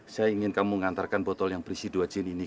saya ingin kamu mengantarkan botol yang berisi dua jin ini